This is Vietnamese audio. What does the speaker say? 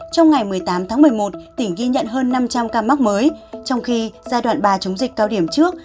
trong ngày một mươi tám tháng một mươi một tỉnh ghi nhận hơn năm trăm linh ca mắc mới trong khi giai đoạn ba chống dịch cao điểm trước